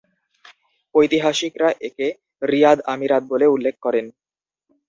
ঐতিহাসিকরা একে রিয়াদ আমিরাত বলেও উল্লেখ করেন।